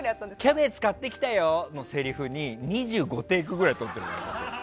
キャベツ買ってきたよ！のせりふに２５テイクくらい撮ってるからね。